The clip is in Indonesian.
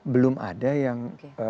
belum ada yang